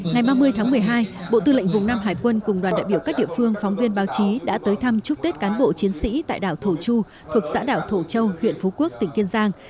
ngày ba mươi tháng một mươi hai bộ tư lệnh vùng nam hải quân cùng đoàn đại biểu các địa phương phóng viên báo chí đã tới thăm chúc tết cán bộ chiến sĩ tại đảo thổ chu thuộc xã đảo thổ châu huyện phú quốc tỉnh kiên giang